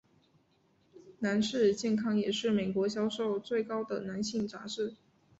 男士健康也是美国销量最高的男性杂志。